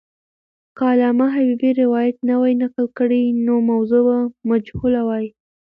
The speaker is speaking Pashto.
که علامه حبیبي روایت نه وای نقل کړی، نو موضوع به مجهوله وای.